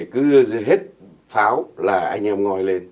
cứ hết pháo là anh em ngồi lên